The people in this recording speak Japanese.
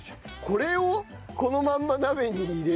これをこのまんま鍋に入れる汁ごと。